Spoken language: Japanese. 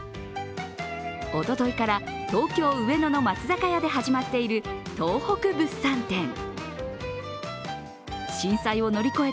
おとといから東京・上野の松坂屋で始まっている東北物産展。